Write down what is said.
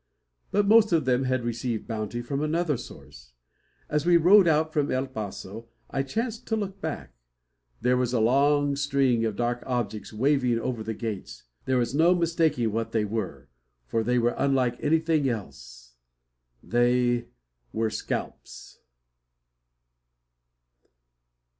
But most of them had received "bounty" from another source. As we rode out from El Paso, I chanced to look back. There was a long string of dark objects waving over the gates. There was no mistaking what they were, for they were unlike anything else. They were scalps!